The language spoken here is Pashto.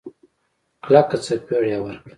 کلکه سپېړه يې ورکړه.